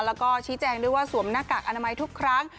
แล้วก็ชี้แจงด้วยว่าสวมหน้ากากอนามัยทุกครั้ง